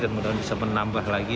dan mudah mudahan bisa menambah lagi